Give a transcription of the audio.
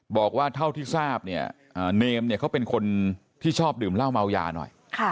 บอกว่าเท่าที่ทราบเนี่ยเนมเนี่ยเขาเป็นคนที่ชอบดื่มเหล้าเมายาหน่อย